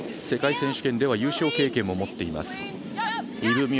世界選手権では優勝経験も持っていますイブ